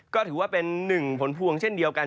ก็ถือว่าเป็นหนึ่งผลพวงเช่นเดียวกัน